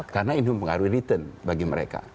karena ini mempengaruhi return bagi mereka